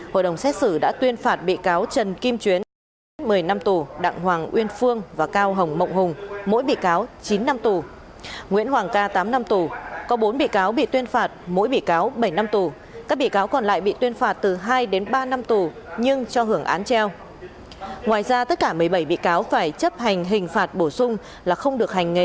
hội đồng xét xử đã tuyên phạt bị cáo trần kim chuyến một tỷ tám trăm bốn mươi bốn triệu đồng của vbpfc